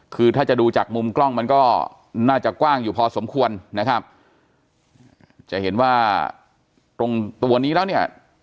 คือถ้าจะดูจากมุมกล้องมันก็น่าจะกว้างอยู่พอสมควรนะครับจะเห็นว่าตรงตัวนี้แล้วเนี่ย